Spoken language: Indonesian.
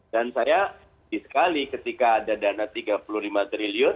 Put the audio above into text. dan saya diskali ketika ada dana tiga puluh lima triliun